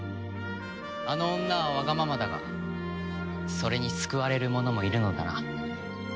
あの女はワガママだがそれに救われる者もいるのだな。